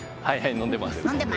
飲んでます。